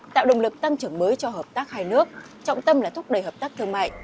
tạo động lực tăng trưởng mới cho hợp tác hai nước trọng tâm là thúc đẩy hợp tác thương mại